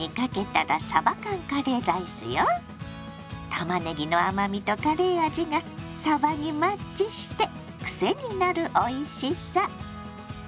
たまねぎの甘みとカレー味がさばにマッチしてクセになるおいしさ！